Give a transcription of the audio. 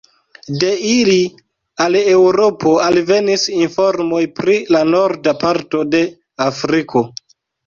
De ili al Eŭropo alvenis informoj pri la norda parto de Afriko.